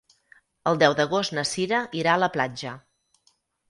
El deu d'agost na Cira irà a la platja.